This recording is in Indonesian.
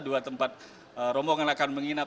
dua tempat rombong yang akan menginap